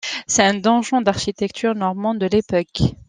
C'est un donjon d'architecture normande de l'époque.